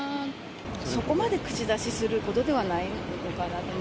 そこまで口出しすることではないのかな。